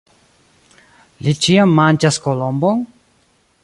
Li ĉiam manĝas kolombon?